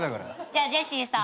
じゃあジェシーさん。